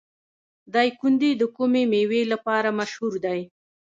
دایکنډي د کومې میوې لپاره مشهور دی؟